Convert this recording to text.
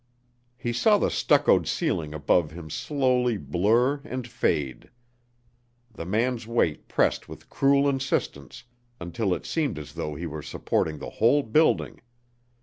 He saw the stuccoed ceiling above him slowly blur and fade. The man's weight pressed with cruel insistence until it seemed as though he were supporting the whole building.